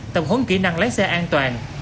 tầm hốn kỹ năng lái xe an toàn